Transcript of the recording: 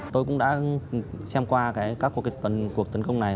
tôi cũng đã xem qua các cuộc tấn công này